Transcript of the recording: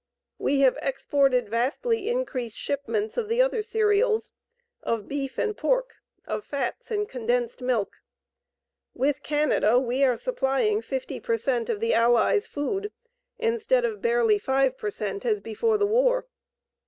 We have exported vastly increased shipments of the other cereals, of beef and pork, of fats and condensed milk. With Canada, we are supplying 50 per cent of the Allies' food, instead of barely 5 per cent, as before the war.